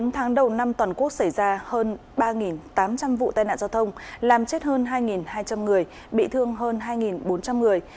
bốn tháng đầu năm toàn quốc xảy ra hơn ba tám trăm linh vụ tai nạn giao thông làm chết hơn hai hai trăm linh người bị thương hơn hai bốn trăm linh người